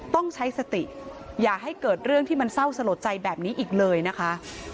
ต้องใช้สติอย่าให้เกิดเรื่องที่มันเศร้าสลดใจแบบนี้อีกเลยนะคะ